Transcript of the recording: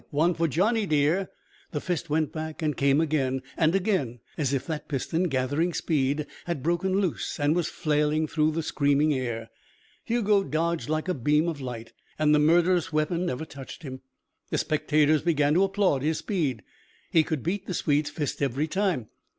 "One for Johnny dear!" The fist went back and came again and again, as if that piston, gathering speed, had broken loose and was flailing through the screaming air. Hugo dodged like a beam of light, and the murderous weapon never touched him. The spectators began to applaud his speed. He could beat the Swede's fist every time.